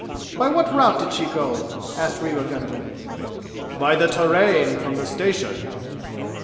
"By what route did she go?" asked Rewa Gunga. "By the terrain from the station."